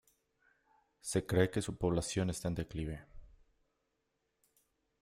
Se cree que su población está en declive.